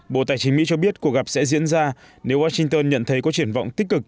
bộ tài chính mỹ cho biết cuộc gặp sẽ diễn ra nếu washington nhận thấy có triển vọng tích cực